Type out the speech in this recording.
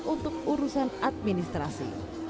untuk urusan administrasi